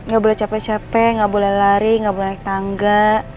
gak boleh capek capek nggak boleh lari nggak boleh naik tangga